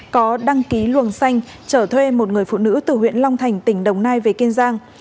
có đăng ký luồng xanh trở thuê một người phụ nữ từ huyện long thành tỉnh đồng nai về kiên giang